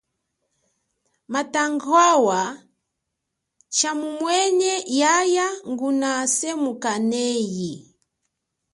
Matangwawa tshamumwene yaya nguna semukanenyi.